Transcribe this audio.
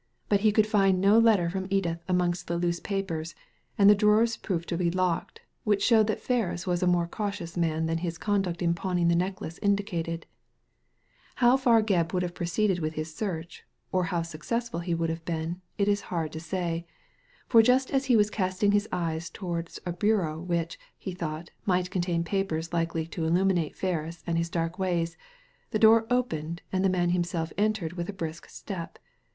But he could And no letter from Edith amongst the loose papers, and the drawers proved to be locked, which showed tl^at Ferris was a more cautious man than his conduct in pawning the necklace indicated How far Gebb would have proceeded with his search, or how successful he would have been, it is hard to say ; for just as he was casting his eyes towards a bureau which, he thought, might contain papers likely to illuminate Ferris and his dark ways, the door opened and the man himself entered with a brisk step.